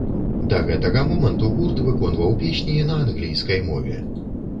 Да гэтага моманту гурт выконваў песні на англійскай мове.